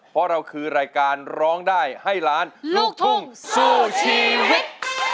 เพราะเราคือรายการร้องได้ให้ล้านลูกทุ่งสู้ชีวิต